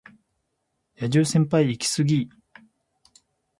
野獣先輩イキスギ